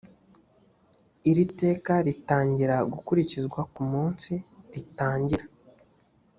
iri teka ritangira gukurikizwa ku munsi ritangira